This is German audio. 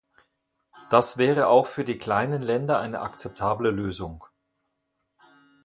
Das wäre auch für die kleinen Länder eine akzeptable Lösung.